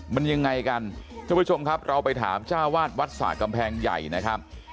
มันยังไงกันทุกผู้ชมครับเราไปถามเจ้าวาดวัดสระกำแพงใหญ่นะครับ